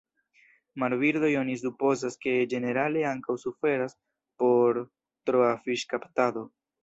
Marbirdoj oni supozas, ke ĝenerale ankaŭ suferas por troa fiŝkaptado.